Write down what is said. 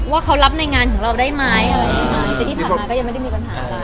ว่าเขารับในงานของเราได้มั้ยแต่ที่ผ่านมาก็ยังไม่ได้มีปัญหา